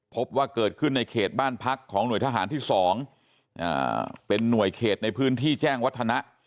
พบว่าเกิดขึ้นในเขตบ้านพักของหน่วยทหารที่๒เป็นหน่วยเขตในพื้นที่แจ้งวัฒนะ